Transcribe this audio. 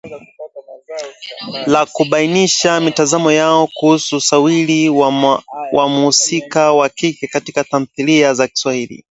la kubainisha mitazamo yao kuhusu usawiri wa mhusika wa kike katika tamthilia za Kiswahili